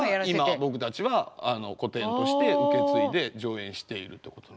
今僕たちは古典として受け継いで上演しているってことなんで。